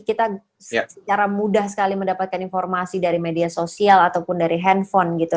kita secara mudah sekali mendapatkan informasi dari media sosial ataupun dari handphone gitu